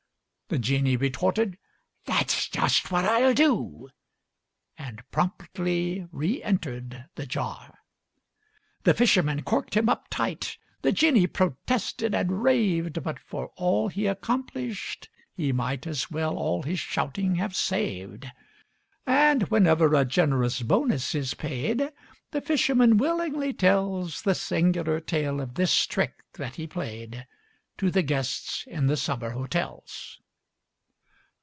The genie retorted: "That's just what I'll do!" And promptly reëntered the jar. The fisherman corked him up tight: The genie protested and raved, But for all he accomplished, he might As well all his shouting have saved. And, whenever a generous bonus is paid, The fisherman willingly tells The singular tale of this trick that he played, To the guests in the summer hotels.